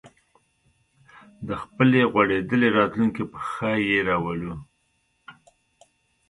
د خپلې غوړېدلې راتلونکې په ښه یې راولو